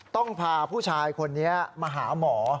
ต้องพาผู้ชายคนนี้มาหาหมอ